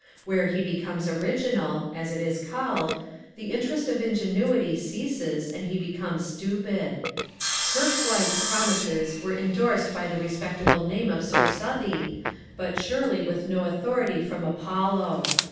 Where he becomes original (as it is called), the interest of ingenuity ceases and he becomes stupid. Kirke White's promises were indorsed by the respectable name of Mr. Southey, but surely with no authority from Apollo.